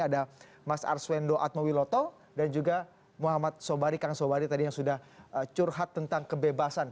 ada mas arswendo atmowiloto dan juga muhammad sobari kang sobari tadi yang sudah curhat tentang kebebasan